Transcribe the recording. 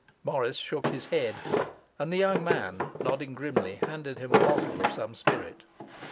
Morris shook his head, and the young man, nodding grimly, handed him a bottle of some spirit.